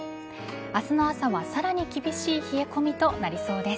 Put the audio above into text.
明日の朝はさらに厳しい冷え込みとなりそうです。